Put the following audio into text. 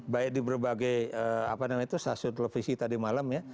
baik di berbagai apa namanya itu stasiun televisi tadi malam ya